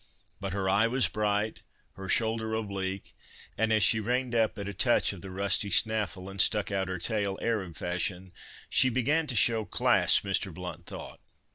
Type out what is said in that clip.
But her eye was bright, her shoulder oblique; and as she reined up at a touch of the rusty snaffle and stuck out her tail, Arab fashion, she began to show class, Mr. Blount thought.